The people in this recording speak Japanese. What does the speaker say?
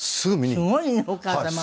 すごいねお母様も。